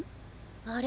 あれ？